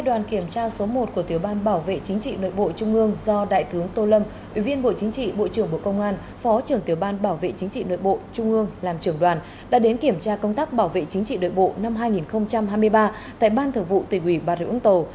đoàn kiểm tra số một của tiểu ban bảo vệ chính trị nội bộ trung ương do đại tướng tô lâm ủy viên bộ chính trị bộ trưởng bộ công an phó trưởng tiểu ban bảo vệ chính trị nội bộ trung ương làm trưởng đoàn đã đến kiểm tra công tác bảo vệ chính trị nội bộ năm hai nghìn hai mươi ba tại ban thờ vụ tỉnh ủy bà rượu úng tàu